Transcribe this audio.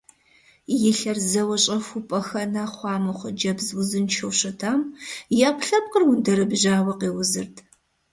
И лъэр зэуэ щӏэхуу пӏэхэнэ хъуа мо хъыджэбз узыншэу щытам и ӏэпкълъэпкъыр ундэрэбжьауэ къеузырт.